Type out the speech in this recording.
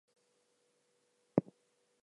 Only one attack gets through.